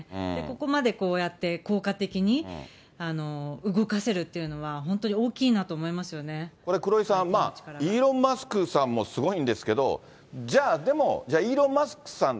ここまで、こうやって効果的に動かせるというのは、これ、黒井さん、イーロン・マスクさんもすごいんですけれども、じゃあ、でも、イーロン・マスクさん